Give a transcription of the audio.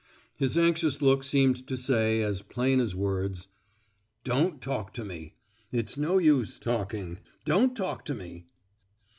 His anxious look seemed to say as plain as words:— "Don't talk to me! It's no use talking—don't talk to me!"